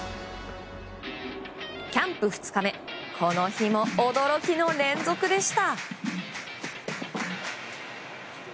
キャンプ２日目この日も驚きの連続でした。